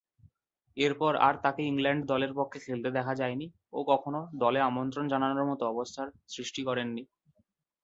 এরপর আর তাকে ইংল্যান্ড দলের পক্ষে খেলতে দেখা যায়নি ও কখনো দলে আমন্ত্রণ জানানোর মতো অবস্থার সৃষ্টি করেননি।